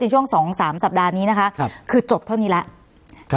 ช่วง๒๓สัปดาห์นี้นะคะคือจบเท่านี้แล้ว